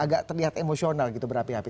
agak terlihat emosional gitu berapi api